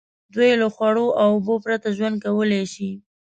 دوی له خوړو او اوبو پرته ژوند کولای شي.